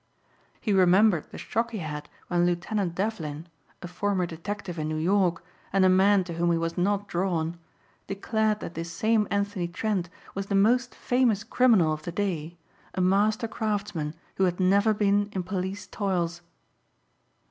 He remembered the shock he had when Lieutenant Devlin, a former detective in New York and a man to whom he was not drawn, declared that this same Anthony Trent was the most famous criminal of the day, a master craftsman who had never been in police toils.